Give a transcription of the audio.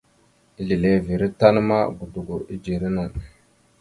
Izleveré tan ma godogo idzeré naɗ.